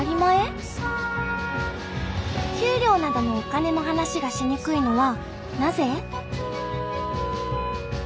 給料などのお金の話がしにくいのはなぜ？